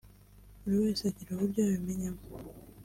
Buri wese agira uburyo abimenyamo